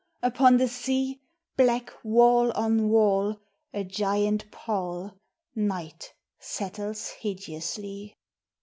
upon the sea, Black wall on wall, a giant pall, Night settles hideously.